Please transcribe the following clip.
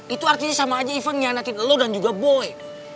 itu artinya sama aja event nyianatine lo dan juga boy